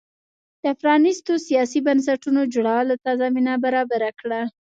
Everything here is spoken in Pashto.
د پرانیستو سیاسي بنسټونو جوړولو ته زمینه برابره کړه.